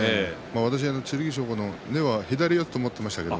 私は剣翔は根は左四つと思ってましたけど。